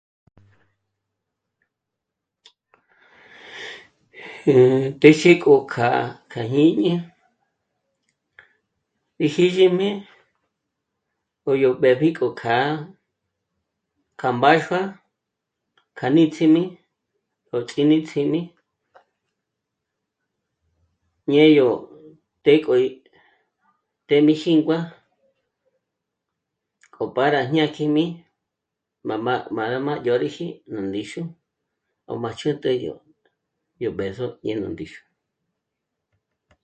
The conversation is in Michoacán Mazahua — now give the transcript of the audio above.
Téxi yó k'â'a k'à jñíni íjízhimi k'o yó mbéji k'o kjâ'a k'a mbáxua k'a níts'ími o ts'íni ts'ími ñé'e yó të́'ë k'o í t'émijíngua k'o para jñákjijmi m'a m'â'a ndzhôriji nú ndíxu ó machete yó nú b'ëzo ñé nú ndíxu